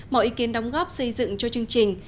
mọi ý kiến đóng góp xây dựng cho chương trình